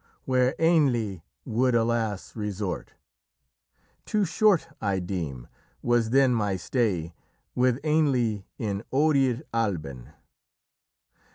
Where Ainnle would, alas! resort; Too short, I deem, was then my stay With Ainnle in Oirir Alban.